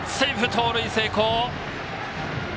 盗塁成功。